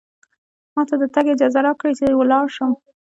ما ته د تګ اجازه راکړئ، چې ولاړ شم.